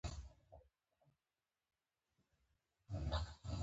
ټپي ته باید د دردونو پای ته دعا وکړو.